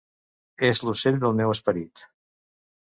-És l'ocell del meu esperit.